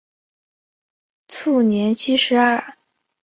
卒年七十二。